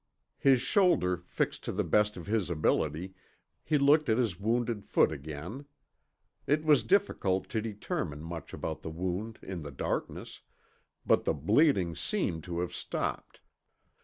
His shoulder fixed to the best of his ability, he looked at his wounded foot again. It was difficult to determine much about the wound in the darkness, but the bleeding seemed to have stopped.